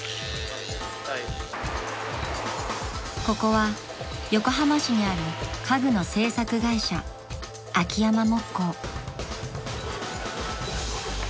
［ここは横浜市にある家具の製作会社秋山木工］